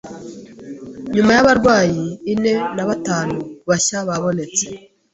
Nyuma y’abarwayi ine nabatanu bashya babonetse,